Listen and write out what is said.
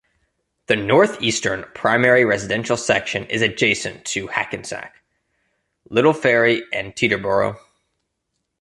The northeastern, primary residential section is adjacent to Hackensack, Little Ferry and Teterboro.